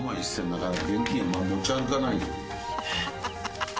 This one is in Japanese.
なかなか現金持ち歩かないよ。